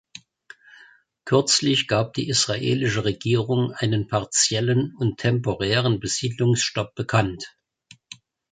Kürzlich gab die israelische Regierung eine partiellen und temporären Besiedlungsstopp bekannt.